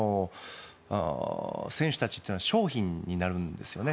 選手たちというのは商品になるんですよね。